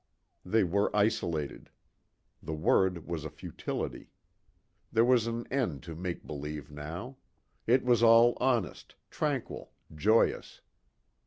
They were isolated. The world was a futility. There was an end to make believe now. It was all honest, tranquil, joyous.